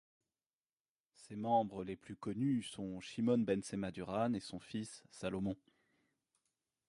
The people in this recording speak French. Ses membres les plus connus sont Shimon ben Tsemah Duran et son fils, Salomon.